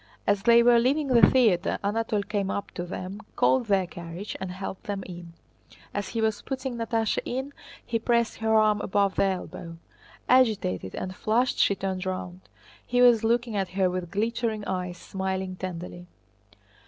As they were leaving the theater Anatole came up to them, called their carriage, and helped them in. As he was putting Natásha in he pressed her arm above the elbow. Agitated and flushed she turned round. He was looking at her with glittering eyes, smiling tenderly.